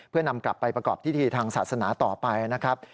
เพื่อนำกลับไปประกอบพิธีทางศาสนาต่อไปนะครับ